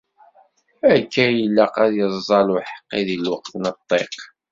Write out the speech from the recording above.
Akka i ilaq ad iẓẓall uḥeqqi, di lweqt n ṭṭiq.